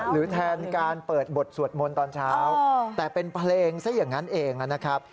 แทนการเปิดบทสวดมนต์ตอนเช้าแต่เป็นเพลงซะอย่างนั้นเองนะครับ